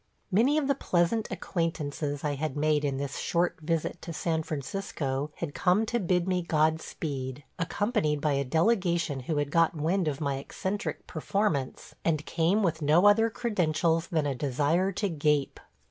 Many of the pleasant acquaintances I had made in this short visit to San Francisco had come to bid me God speed, accompanied by a delegation who had got wind of my eccentric performance and came with no other credentials than a desire to gape.